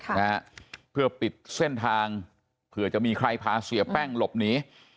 นะฮะเพื่อปิดเส้นทางเผื่อจะมีใครพาเสียแป้งหลบหนี